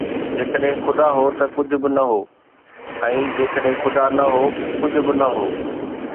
جيڪڏهن خدا هو ته ڪجهه به نه هو، ۽ جيڪڏهن خدا هو ته ڪجهه به نه هو